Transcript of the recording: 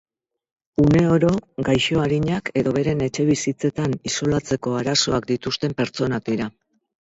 Uneoro gaixo arinak edo beren etxebizitzetan isolatzeko arazoak dituzten pertsonak dira.